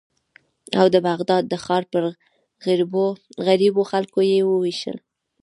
او د بغداد د ښار پر غریبو خلکو یې ووېشل.